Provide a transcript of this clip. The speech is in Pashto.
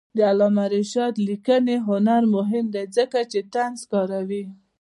د علامه رشاد لیکنی هنر مهم دی ځکه چې طنز کاروي.